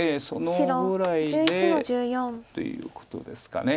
そのぐらいでということですか。